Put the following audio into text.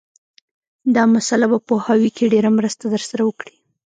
دا مسأله به په پوهاوي کې ډېره مرسته در سره وکړي